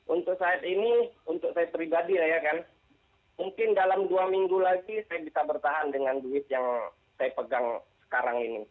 untuk saat ini untuk saya pribadi ya kan mungkin dalam dua minggu lagi saya bisa bertahan dengan duit yang saya pegang sekarang ini